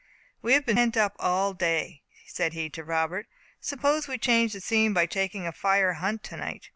"We have been pent up all day," said he to Robert; "suppose we change the scene by taking a fire hunt tonight."